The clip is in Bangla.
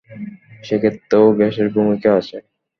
সেক্ষেত্রেও গ্যাসের ভূমিকা আছে।